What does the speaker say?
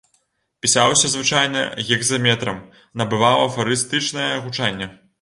Пісаўся звычайна гекзаметрам, набываў афарыстычнае гучанне.